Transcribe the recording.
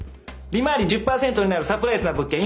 利回り１０％になるサプライズな物件